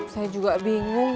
saya juga bingung